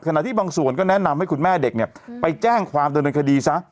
ที่บางส่วนก็แนะนำให้คุณแม่เด็กเนี่ยไปแจ้งความดำเนินคดีซะ